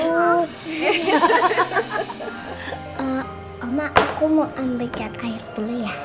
mama aku mau ambil cat air dulu ya